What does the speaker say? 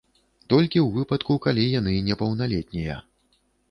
Толькі ў выпадку, калі яны непаўналетнія.